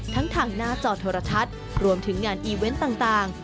ทั้งหน้าจอธรรทัศน์รวมถึงงานอีเว้นต่าง